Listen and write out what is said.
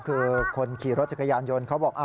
คือคนขี่รถจักรยานยนต์เขาบอก